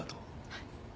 はい。